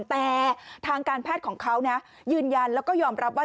แต่ทางการแพทย์ของเขานะยืนยันแล้วก็ยอมรับว่า